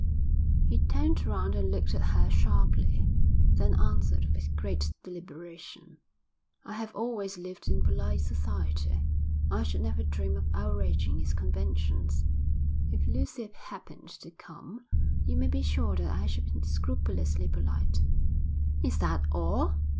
He turned round and looked at her sharply, then answered with great deliberation. 'I have always lived in polite society. I should never dream of outraging its conventions. If Lucy happened to come, you may be sure that I should be scrupulously polite.' 'Is that all?'